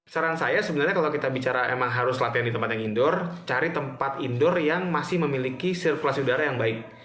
saran saya sebenarnya kalau kita bicara emang harus latihan di tempat yang indoor cari tempat indoor yang masih memiliki sirkulasi udara yang baik